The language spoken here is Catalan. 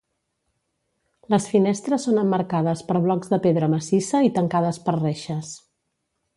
Les finestres són emmarcades per blocs de pedra massissa i tancades per reixes.